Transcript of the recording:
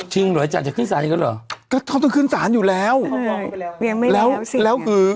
จันจะขึ้นสารอีกแล้วหรอก็เขาต้องขึ้นสารอยู่แล้วยังไม่แล้วสิแล้วคือ